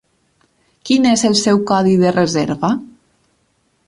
Quin és el seu codi de reserva?